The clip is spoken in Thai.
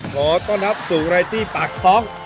ขอต้อนรับสู่รายตี้ปากท้อง